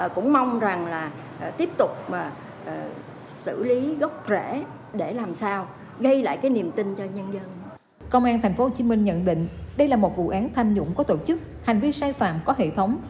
công an tp hcm nhận định đây là một vụ án tham nhũng có tổ chức hành vi sai phạm có hệ thống